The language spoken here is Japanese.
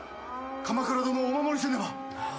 鎌暗殿をお守りせねば。